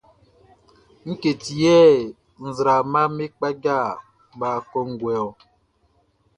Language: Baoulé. Ngue ti yɛ nzraamaʼm be kpaja kpa kɔnguɛ ɔ?